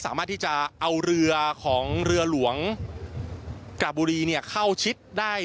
สามารถที่จะเอาเรือของเรือหลวงกระบุรีเข้าชิดได้